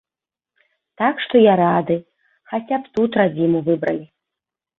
Так што я рады, хаця б тут радзіму выбралі.